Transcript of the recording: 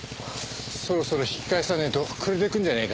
そろそろ引き返さねえと暮れてくんじゃねえか？